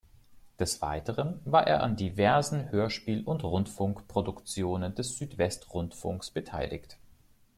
Des Weiteren war er an diversen Hörspiel- und Rundfunkproduktionen des Südwestrundfunks beteiligt.